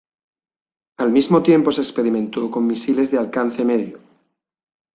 Al mismo tiempo se experimentó con misiles de alcance medio.